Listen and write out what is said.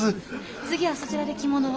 次はそちらで着物を。